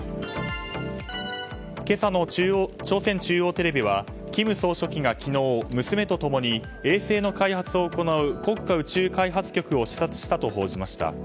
今朝の朝鮮中央テレビは金総書記が昨日娘と共に、衛星の開発を行う国家宇宙開発局を視察したと報じました。